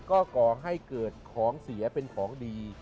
ก็ก่อให้เกิดของเสียเป็นของดี